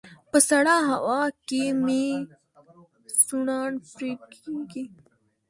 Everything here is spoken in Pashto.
په سړه هوا کې مې سوڼان پرې کيږي